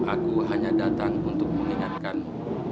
aku hanya datang untuk mengingatkan